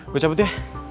gue cabut ya